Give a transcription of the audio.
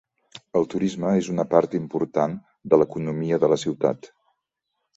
El turisme és una part important de l'economia de la ciutat.